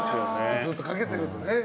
ずっとかけてるとね。